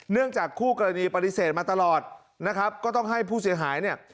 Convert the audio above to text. จากคู่กรณีปฏิเสธมาตลอดนะครับก็ต้องให้ผู้เสียหายเนี่ย